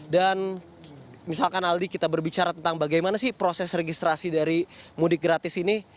dan misalkan aldi kita berbicara tentang bagaimana sih proses registrasi dari mudik gratis ini